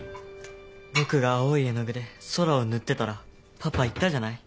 僕が青い絵の具で空を塗ってたらパパ言ったじゃない。